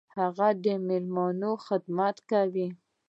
هغه د میلمنو خدمت کاوه.